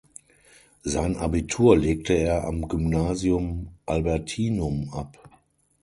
Sein Abitur legte er am Gymnasium Albertinum ab.